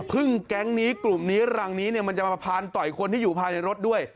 แก๊งนี้กลุ่มนี้รังนี้มันจะมาพานต่อยคนที่อยู่ภายในรถด้วย